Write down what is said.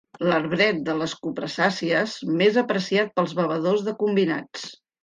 L'arbret de les cupressàcies més apreciat pels bevedors de combinats.